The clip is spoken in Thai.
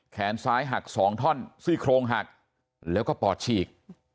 แขนซ้ายหัก๒ท่อนซี่โครงหักแล้วก็ปอดฉีก